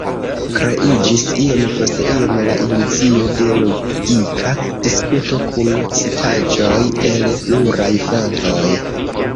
Kreiĝis iom post iom la iluzio de logika diskuto kun citaĵoj el pluraj fontoj.